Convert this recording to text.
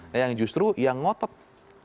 nah yang justru yang ngotot angket dibentuk